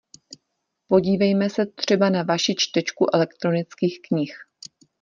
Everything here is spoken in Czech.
Podívejme se třeba na vaši čtečku elektronických knih.